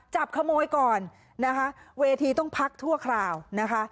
จับขโมยก่อนนะคะเวทีต้องพักชั่วคราวนะคะ